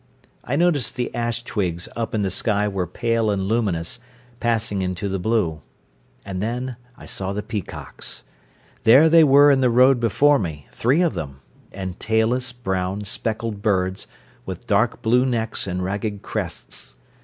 I noticed the ash twigs up in the sky were pale and luminous, passing into the blue. And then I saw the peacocks. There they were in the road before me, three of them, and tailless, brown, speckled birds, with dark blue necks and ragged crests.